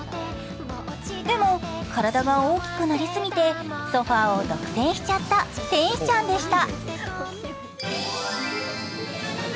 でも体が大きくなりすぎてソファーを独占しちゃった天使ちゃんでした。